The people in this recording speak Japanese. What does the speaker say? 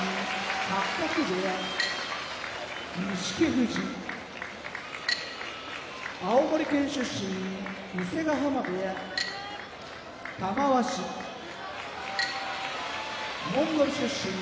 八角部屋錦富士青森県出身伊勢ヶ濱部屋玉鷲モンゴル出身